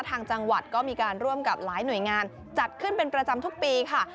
ทางจังหวัดก็มีการร่วมกับหลายหน่วยงานจัดขึ้นเป็นประจำทุกปีค่ะ